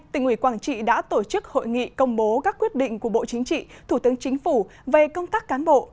tỉnh ủy quảng trị đã tổ chức hội nghị công bố các quyết định của bộ chính trị thủ tướng chính phủ về công tác cán bộ